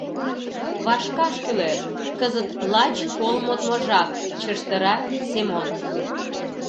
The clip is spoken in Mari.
— Вашкаш кӱлеш, кызыт лач кол модмо жап, — чыждыра Семон.